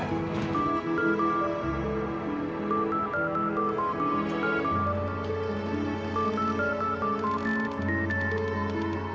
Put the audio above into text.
kalo ada yang mau tau